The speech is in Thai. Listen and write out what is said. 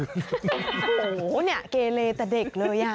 โหเนี่ยเกเลแต่เด็กเลยอะ